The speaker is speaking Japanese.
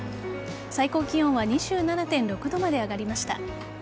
最高気温は２７．６度まで上がりました。